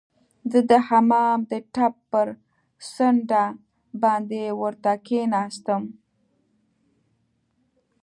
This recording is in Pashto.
زه د حمام د ټپ پر څنډه باندې ورته کښیناستم.